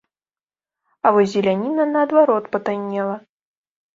А вось зеляніна, наадварот, патаннела.